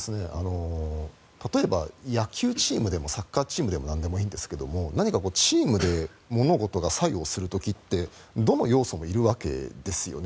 例えば野球チームでもサッカーチームでもなんでもいいんですが何かチームで物事が作用する時ってどの要素もいるわけですよね。